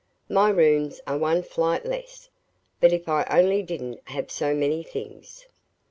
My rooms are one flight less; but if I only didn't have so many things!"